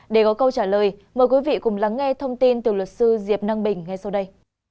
để có câu trả lời mời quý vị cùng lắng nghe thông tin từ luật sư diệp năng bình ngay sau đây